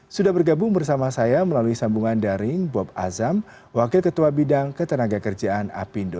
sudah bergabung bersama saya melalui sambungan daring bob azam wakil ketua bidang ketenaga kerjaan apindo